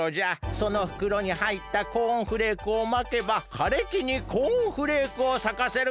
そのふくろにはいったコーンフレークをまけばかれきにコーンフレークをさかせることができるのじゃ！